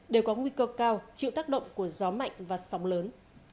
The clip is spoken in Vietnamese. đều có nguy cơ cao chịu tác động của gió mạnh và sóng lớn